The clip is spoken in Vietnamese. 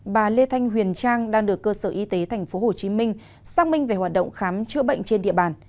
bà lê thanh huyền trang đang được cơ sở y tế tp hcm xác minh về hoạt động khám chữa bệnh trên địa bàn